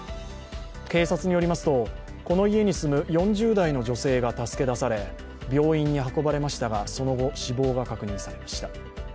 警察によりますと、この家に住む４０代の女性が助け出され、病院に運ばれましたがその後、死亡が確認されました。